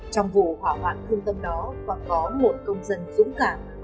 trong vụ hỏa hoạn thương tâm đó còn có một công dân dũng cảm